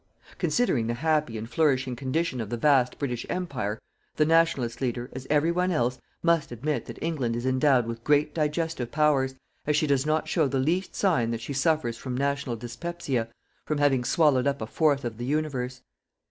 Considering the happy and flourishing condition of the vast British Empire, the Nationalist leader, as every one else, must admit that England is endowed with great digestive powers, as she does not show the least sign that she suffers from national dyspepsia from having swallowed up a fourth of the universe.